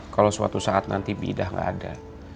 kalau suatu saat nanti biidah tidak ada